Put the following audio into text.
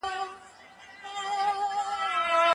که په غوړیو کي خواړه ډېر وریت سي نو ګټه نه لري.